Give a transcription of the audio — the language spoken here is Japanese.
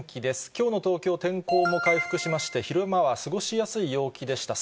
きょうの東京、天候も回復しまして、昼間は過ごしやすい陽気でした。